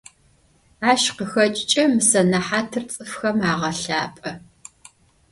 Aş khıxeç'ıç'e mı senehatır ts'ıfxem ağelhap'e.